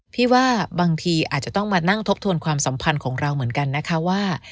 พี่ว่าบางทีอาจจะต้องมานั่งทบทวนความสัมพันธ์ของเราเหมือนกันนะคะว่า